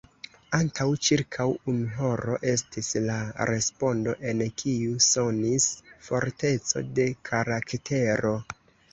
Antaŭ ĉirkaŭ unu horo, estis la respondo, en kiu sonis forteco de karaktero.